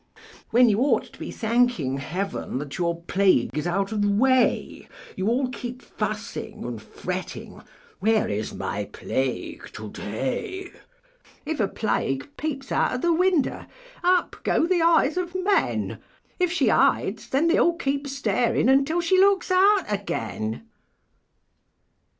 When you ought to be thanking Heaven That your plague is out of the way, You all keep fussing and fretting "Where is my Plague to day?" If a Plague peeps out of the window, Up go the eyes of men; If she hides, then they all keep staring Until she looks out again.